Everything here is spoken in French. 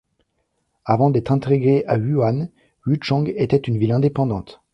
Avant d'être intégrée à Wuhan, Wuchang était une ville indépendante.